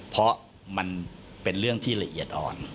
เพราะมันเป็นเรื่องที่ละเอียดอ่อน